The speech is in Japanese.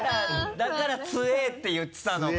だから「つえ」って言ってたのか。